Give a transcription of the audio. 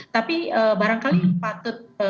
tapi barangkali patut